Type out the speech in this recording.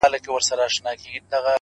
لاس، لاس پېژني.